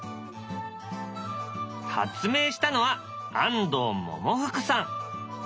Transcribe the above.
発明したのは安藤百福さん。